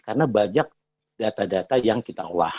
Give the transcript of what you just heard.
karena banyak data data yang kita uah